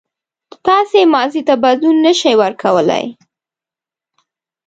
تاسو ماضي ته بدلون نه شئ ورکولای.